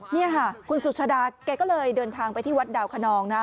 นี่ค่ะคุณสุชาดาแกก็เลยเดินทางไปที่วัดดาวคนนองนะ